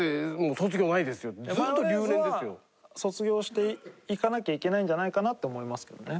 マヨネーズは卒業していかなきゃいけないんじゃないかなって思いますけどね